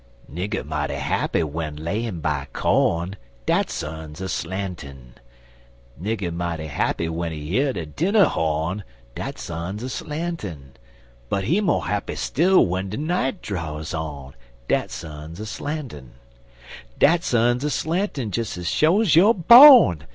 NIGGER mighty happy w'en he layin' by co'n Dat sun's a slantin'; Nigger mighty happy w'en he year de dinner ho'n Dat sun's a slantin'; En he mo' happy still w'en de night draws on Dat sun's a slantin'; Dat sun's a slantin' des ez sho's you bo'n!